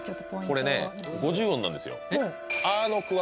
これね５０音なんですよ